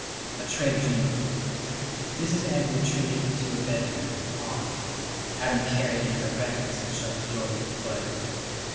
A tray jingled. Mrs. Egg retreated into her bedroom, awed. Adam carried in her breakfast and shut the door with a foot.